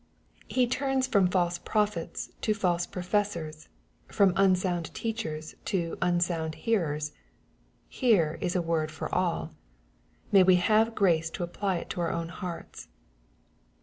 He turns &om 70 SXPOSITOBT THOUGHTfl. false prophets to false professors, from unsound teachen to unsound hearers. Here is a word for all. May we have grace to apply it to our own hearts